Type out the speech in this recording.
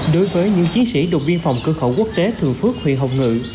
đối với những chiến sĩ độc viên phòng cơ khẩu quốc tế thượng phước huyện hồng ngự